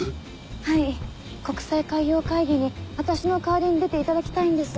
はい国際海洋会議に私の代わりに出ていただきたいんです。